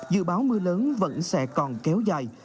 dự báo mưa lớn vẫn sẽ còn kéo dài